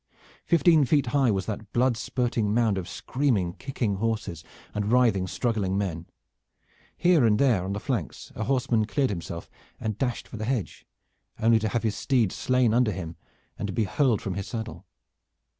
Fifteen feet high was that blood spurting mound of screaming, kicking horses and writhing, struggling men. Here and there on the flanks a horseman cleared himself and dashed for the hedge, only to have his steed slain under him and to be hurled from his saddle.